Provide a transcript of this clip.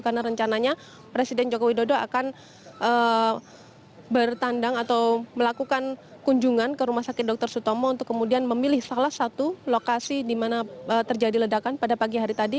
karena rencananya presiden joko widodo akan bertandang atau melakukan kunjungan ke rumah sakit dr sutomo untuk kemudian memilih salah satu lokasi di mana terjadi ledakan pada pagi hari tadi